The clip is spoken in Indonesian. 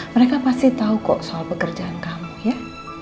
mereka pasti tahu kok soal pekerjaan kamu ya